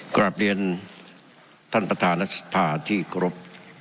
กราบเดียนท่านประธานัตรสภาที่กลบ